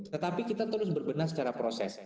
tetapi kita terus berbenah secara proses